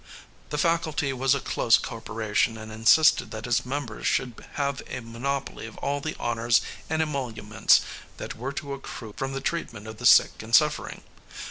The faculty was a close corporation and insisted that its members should have a monopoly of all the honors and emoluments that were to accrue from the treatment of the sick and suffering.